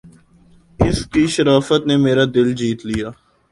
اس کی شرافت نے میرا دل جیت لیا